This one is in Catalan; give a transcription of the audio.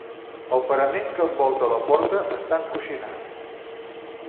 El parament que envolta la porta està encoixinat.